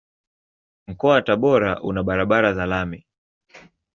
Mkoa wa Tabora una barabara za lami.